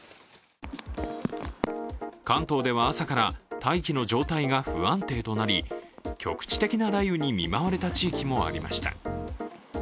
関東では朝から大気の状態が不安定となり、局地的な雷雨に見舞われた地域もありました。